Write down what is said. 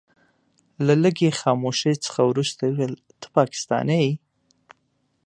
له لږ خاموشۍ څخه وروسته يې وويل ته پاکستانی يې.